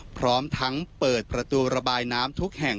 พร้อมทั้งเปิดประตูระบายน้ำทุกแห่ง